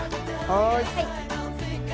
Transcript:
はい！